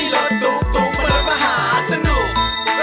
รถมะหาสนุก